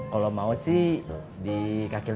kalo mau sih di kk lima